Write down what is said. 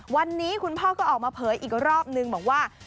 วันนี้คุณพ่อก็ออกมาเผยอีกรอบนึงบอกว่า